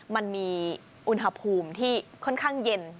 มันมีอุณหภูมิที่ค่อนข้างเย็น